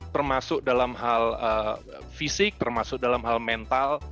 termasuk dalam hal fisik termasuk dalam hal mental